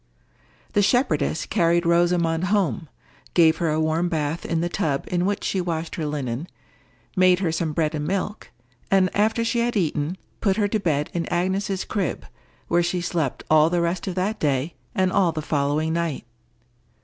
The shepherdess carried Rosamond home, gave her a warm bath in the tub in which she washed her linen, made her some bread and milk, and after she had eaten it, put her to bed in Agnes's crib, where she slept all the rest of that day and all the following night.